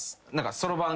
そろばん。